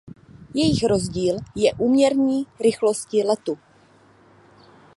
Jejich rozdíl je úměrný rychlosti letu.